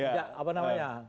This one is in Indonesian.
tidak apa namanya